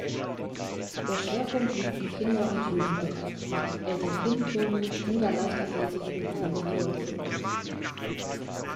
Der Schwerpunkt liegt im Kinder- und Jugendbereich mit „Eltern-Kind-Turnen“, „Kinder-Leichtathletik“ und „Kinder-Turnstunde“.